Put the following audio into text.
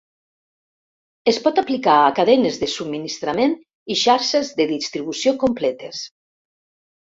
Es pot aplicar a cadenes de subministrament i xarxes de distribució completes.